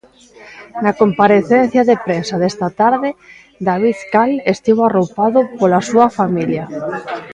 Na comparecencia de prensa desta tarde, David Cal estivo arroupado pola súa familia.